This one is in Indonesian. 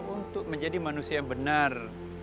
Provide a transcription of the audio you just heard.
untuk menjadi manusia yang benar